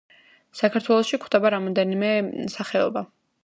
საქართველოში გვხვდება რამდენიმე სახეობა.